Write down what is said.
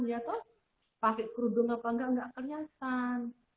iya toh pakai kerudung apa tidak tidak kelihatan